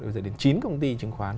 giờ đến chín công ty chứng khoán